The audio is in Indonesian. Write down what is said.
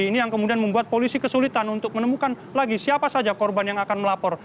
ini yang kemudian membuat polisi kesulitan untuk menemukan lagi siapa saja korban yang akan melapor